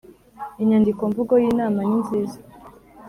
Inyandiko mvugo y inama ninziza